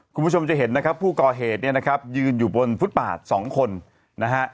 คุณผู้ชมจะเห็นนะครับผู้ก่อเหตุเนี่ยนะครับยืนอยู่บนฟุตบาทสองคนนะฮะ